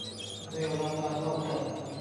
ในราคาเท่ากัน